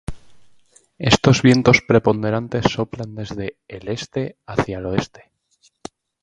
Estos vientos preponderantes soplan desde el Este hacia el Oeste.